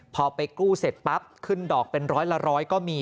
พอไปกู้เสร็จปั๊บขึ้นดอกเป็นร้อยละร้อยก็มี